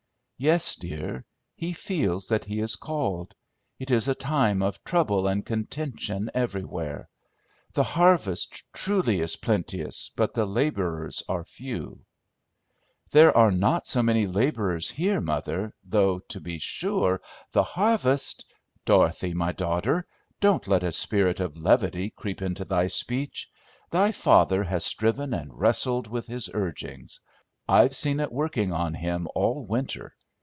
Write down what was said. "Yes, dear. He feels that he is called. It is a time of trouble and contention everywhere: 'the harvest,' truly, 'is plenteous, but the laborers are few.'" "There are not so many 'laborers' here, mother, though to be sure, the harvest" "Dorothy, my daughter, don't let a spirit of levity creep into thy speech. Thy father has striven and wrestled with his urgings. I've seen it working on him all winter.